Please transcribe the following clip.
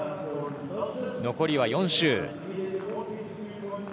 残りは４周。